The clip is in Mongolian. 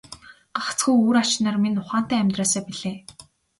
Гагцхүү үр ач нар минь ухаантай амьдраасай билээ.